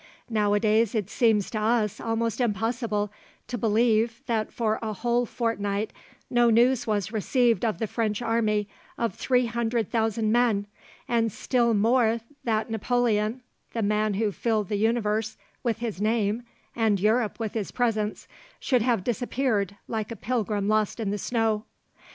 Nowadays it seems to us almost impossible to believe that for a whole fortnight no news was received of the French Army of 300,000 men, and still more that Napoleon, 'the man who filled the universe with his name and Europe with his presence,' should have disappeared like a pilgrim lost in the snow.